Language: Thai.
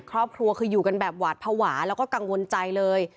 ครอบครัวคืออยู่กันแบบหวาดภาวะแล้วก็กังวลใจเลย